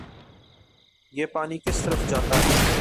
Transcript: یہ پانی کس طرف جاتا ہے